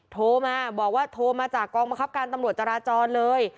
โทรมาบอกว่าโทรมาจากกองบังคับการตำรวจจราจรเลย